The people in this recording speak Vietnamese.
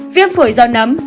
viêm phổi do nấm